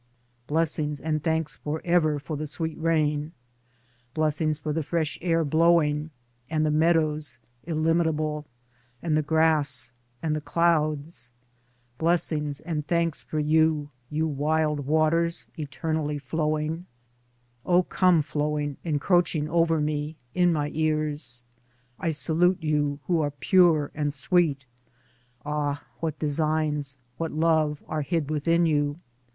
Blessings and thanks for ever for the sweet rain ; bles sings for the fresh fresh air blowing, and the meadows illimitable and the grass and the clouds ; 28 Towards Democracy Blessings and thanks for you, you wild waters eternally flowing : O come flowing, encroaching, over me, in my ears : I salute you who are pure and sweet (ah ! what designs, what love, are hid within you